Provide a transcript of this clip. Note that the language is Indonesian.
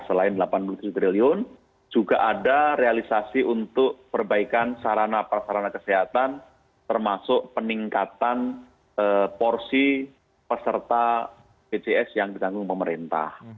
selain rp delapan puluh tujuh triliun juga ada realisasi untuk perbaikan sarana prasarana kesehatan termasuk peningkatan porsi peserta bcs yang ditanggung pemerintah